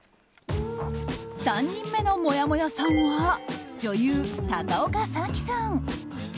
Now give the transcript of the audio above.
３人目のもやもやさんは女優・高岡早紀さん。